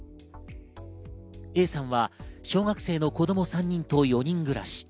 Ａさんは小学生の子供３人と４人暮らし。